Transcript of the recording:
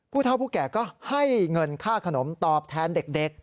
ผู้เท่าผู้แก่ก็ให้เงินค่าขนมตอบแทนเด็ก